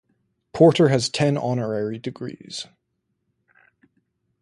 Porter has ten honorary degrees.